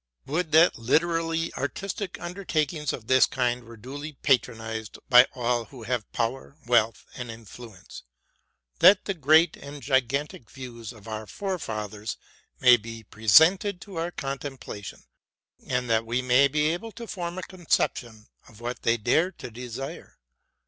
Would that literary artistical undertakings of this kind were duly patronized by all who have power, wealth, and influence; that the great and gigantic views of our fore fathers may be presented to our contemplation ; and that we may be able to form a conception of what they dared to desire.